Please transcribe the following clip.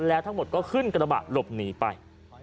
แล้วทั้งหมดก็ขึ้นกระบะหลบหนีไป